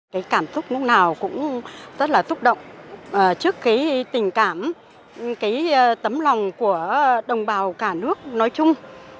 cái cảm xúc lúc nào cũng rất là xúc động trước cái tình cảm cái tấm lòng của đồng bào cả nước nói chung